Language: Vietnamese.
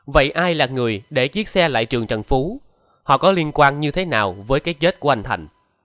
vậy ai là người để chiếc xe lại trường trần phú họ có liên quan như thế nào với cái chết của anh thành